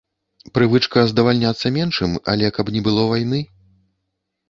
Прывычка задавальняцца меншым, але каб не было вайны?